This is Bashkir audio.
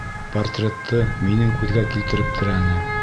Портретты минең күҙгә килтереп терәне.